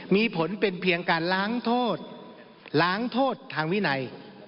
มีผลเป็นเพียงการล้างโทษล้างโทษทางวินัย